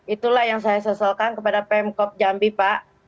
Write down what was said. itulah yang saya sesalkan kepada pemkop jambi pak